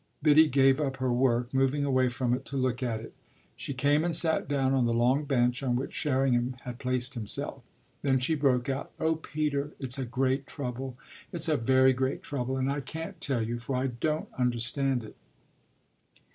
Biddy gave up her work, moving away from it to look at it. She came and sat down on the long bench on which Sherringham had placed himself. Then she broke out: "Oh Peter, it's a great trouble it's a very great trouble; and I can't tell you, for I don't understand it."